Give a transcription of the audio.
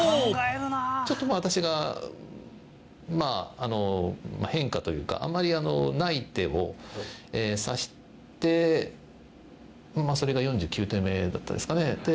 谷川：ちょっと、私がまあ、変化というかあまりない手を指してそれが４９手目だったですかね。